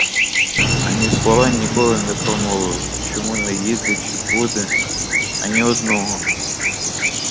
Ані слова ніколи не промовив — чому не їде, чи буде — ані одного!